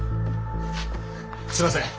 すいません！